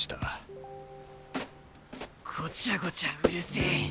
ごちゃごちゃうるせえ。